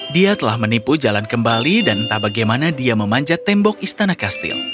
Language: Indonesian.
dia telah menipu jalan kembali dan entah bagaimana dia memanjat tembok istana kastil